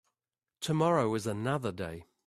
Tomorrow is another day.